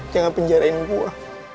jangan penjarain gue